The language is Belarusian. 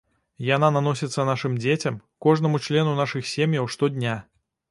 Яна наносіцца нашым дзецям, кожнаму члену нашых сем'яў штодня.